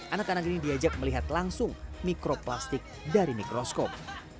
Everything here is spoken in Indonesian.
anak anak ini diajak melihat langsung mikroplastik dari mikroskop